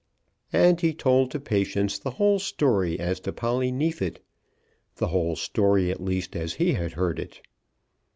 And he told to Patience the whole story as to Polly Neefit, the whole story, at least, as he had heard it.